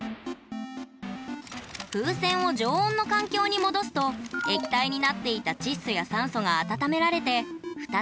風船を常温の環境に戻すと液体になっていた窒素や酸素が温められて再び気体に。